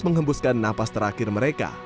mengembuskan napas terakhir mereka